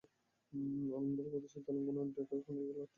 অন্ধ্র প্রদেশ ও তেলেঙ্গানায় "ডেকান ক্রনিকল"-এর আটটি সংস্করণ রয়েছে।